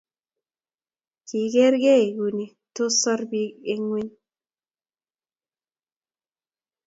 Kigeeregei Kuni toos soor biik eng ngweny